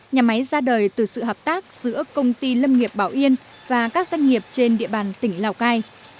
nhà máy ra đời từ sự hợp tác giữa công ty lâm nghiệp bảo yên và các doanh nghiệp trên địa bàn tỉnh lào cai